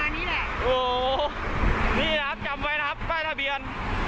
มีนะครับจำไว้นะครับใต้ทะเบียน